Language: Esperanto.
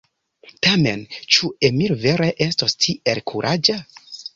Tamen ĉu Emil vere estos tiel kuraĝa?